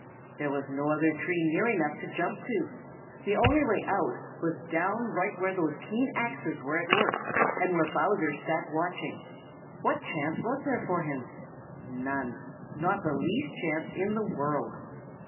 There was no other tree near enough to jump to. The only way out was down right where those keen axes were at work and where Bowser sat watching. What chance was there for him? None. Not the least chance in the world.